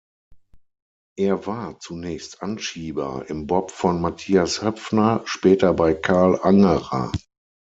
Er war zunächst Anschieber im Bob von Matthias Höpfner, später bei Karl Angerer.